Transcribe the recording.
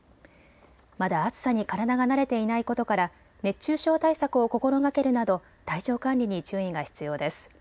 まだ暑さに体が慣れていないことから熱中症対策を心がけるなど体調管理に注意が必要です。